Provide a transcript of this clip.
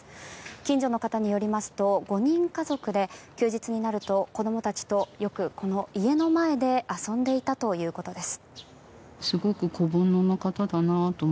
近所の方によりますと５人家族で休日になると子どもたちとよくこの家の前で遊んでいたということです。